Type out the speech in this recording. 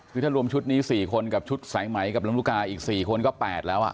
คือถ้ารวมชุดนี้๔คนกับชุดสายไหมกับลำลูกกาอีก๔คนก็๘แล้ว